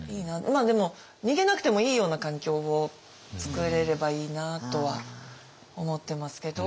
でも逃げなくてもいいような環境を作れればいいなとは思ってますけど。